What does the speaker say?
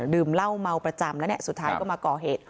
ดื่มเหล้าเมาประจำแล้วเนี่ยสุดท้ายก็มาก่อเหตุ